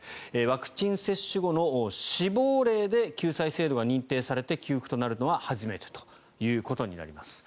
ワクチン接種後の死亡例で救済制度が認定されて給付となるのは初めてということになります。